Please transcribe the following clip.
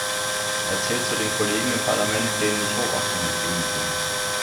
Er zählt zu den Kollegen im Parlament, denen ich Hochachtung entgegenbringe.